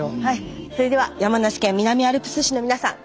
それでは山梨県南アルプス市のみなさん